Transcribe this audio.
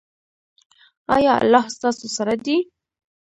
ایا الله ستاسو سره دی؟